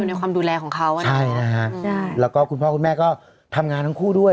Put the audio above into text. ในความดูแลของเขาอ่ะนะใช่นะฮะใช่แล้วก็คุณพ่อคุณแม่ก็ทำงานทั้งคู่ด้วย